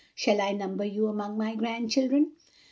Shall I number you among my grandchildren?"